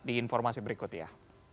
di informasi berikut ya